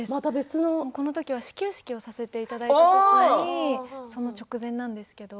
この時は始球式をさせていただいた時の直前なんですけれど。